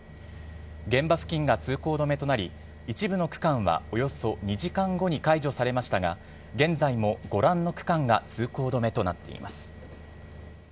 現場付近が通行止めとなり、一部の区間はおよそ２時間後に解除されましたが、現在もご覧の区間が通行止めとなっています。